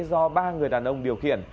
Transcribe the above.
do ba người đàn ông điều khiển